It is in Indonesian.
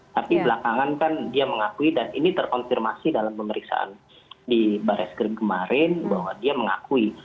tapi belakangan kan dia mengakui dan ini terkonfirmasi dalam pemeriksaan di baris krim kemarin bahwa dia mengakui